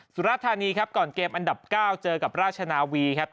สุรธานีครับก่อนเกมอันดับ๙เจอกับราชนาวีครับ